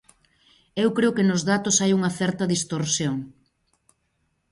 Eu creo que nos datos hai unha certa distorsión.